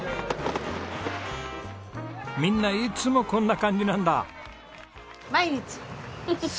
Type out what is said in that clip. みんないつもこんな感じなんだ？